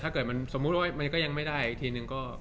ถ้าเกิดมันสมมุติว่ามันก็ยังไม่ได้อีกทีนึงก็